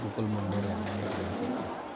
kukul mandor yang lain